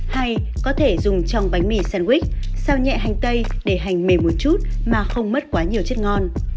hay có thể dùng trong bánh mì sunwick sao nhẹ hành tây để hành mềm một chút mà không mất quá nhiều chất ngon